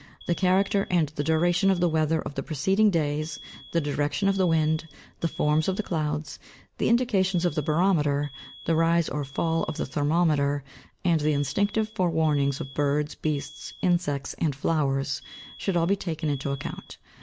The character and the duration of the weather of the preceding days, the direction of the wind, the forms of the clouds, the indications of the barometer, the rise or fall of the thermometer, and the instinctive forewarnings of birds, beasts, insects, and flowers, should all be taken into account.